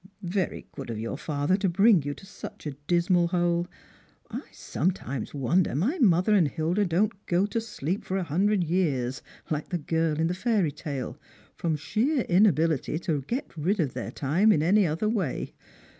" Very good of your father to bring you to such a dismal hole. I sometimes wonder my mother and Hilda don't go to sleep for a hundred years like the girl in the fairy tale, from sheer inability to get rid of their time in any other way.